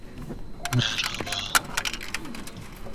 The maledictions were often couched in the form of a satirical poem.